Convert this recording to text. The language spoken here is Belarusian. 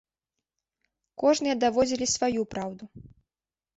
Кожныя даводзілі сваю праўду.